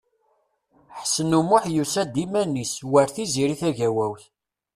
Ḥsen U Muḥ yusa-d iman-is, war Tiziri Tagawawt.